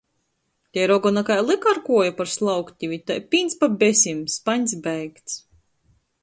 Tei rogona kai lyka ar kuoju par slauktivi, tai pīns pa besim, spaņs beigts.